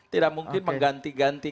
tidak mungkin mengganti ganti